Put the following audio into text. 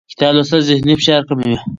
کتاب لوستل ذهني فشار کموي